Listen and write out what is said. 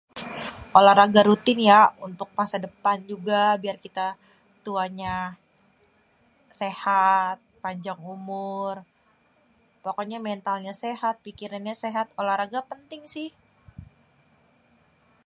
olahraga rutin ya untuk masa depan juga biar kita tuanya sehat panjang umur pokonyè mentalnya sehat pikirannya sehat olahraga penting si